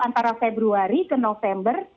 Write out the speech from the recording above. antara februari ke november